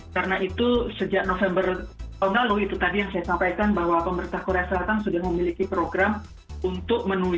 karena itu sejak november oh enggak lho itu tadi yang saya sampaikan bahwa pemerintah korea selatan sudah memiliki program untuk menunjukkan